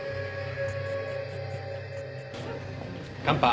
乾杯。